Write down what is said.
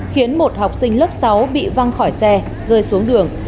khiến một học sinh lớp sáu bị văng khỏi xe rơi xuống đường